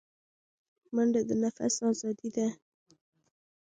منډه د نفس آزادي ده